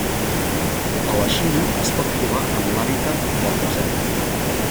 A la Xina es pot trobar en l'hàbitat del desert.